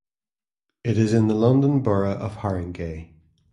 It is in the London Borough of Haringey.